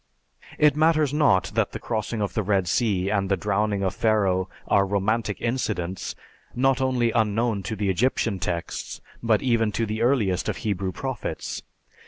It matters not that the crossing of the Red Sea and the drowning of Pharaoh are romantic incidents, not only unknown to the Egyptian texts, but even to the earliest of Hebrew prophets.